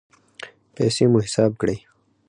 پیسې مو حساب کړئ